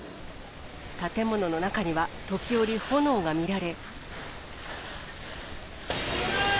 建物の中には、時折、炎が見られ。